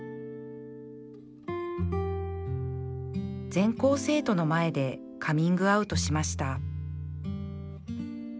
全校生徒の前でカミングアウトしました